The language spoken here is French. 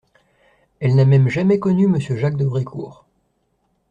Elle n'a même jamais connu Monsieur Jacques de Brécourt.